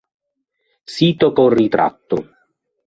Sito con ritratto